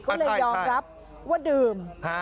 ก็เลยยอมรับว่าดื่ม